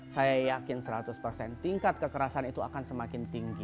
saya yakin seratus persen tingkat kekerasan itu akan semakin tinggi